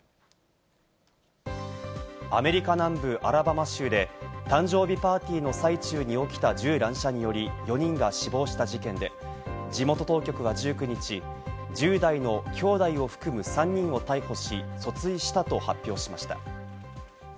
アメリカ南部アラバマ州で誕生日パーティーの最中に起きた銃乱射により、４人が死亡した事件で、地元当局は１９日、１０代の兄弟を含む３人を逮捕し、訴追したと発表しました。